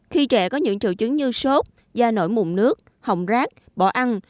khi trẻ có những triệu chứng như sốt da nổi mụn nước hồng rác bỏ ăn